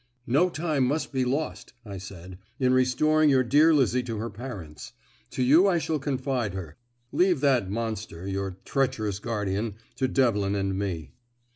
"No time must be lost," I said, "in restoring your dear Lizzie to her parents. To you I shall confide her. Leave that monster, your treacherous guardian, to Devlin and me."